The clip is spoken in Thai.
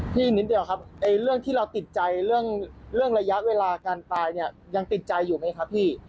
นิดเดียวครับเรื่องที่เราติดใจเรื่องระยะเวลาการตายเนี่ยยังติดใจอยู่ไหมครับพี่